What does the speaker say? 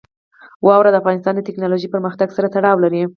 واوره د افغانستان د تکنالوژۍ پرمختګ سره تړاو لري.